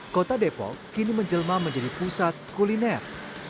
kota depok kini menjelma menjadi pusat kuliner